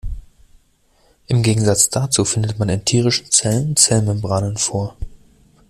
Im Gegensatz dazu findet man in tierischen Zellen Zellmembranen vor.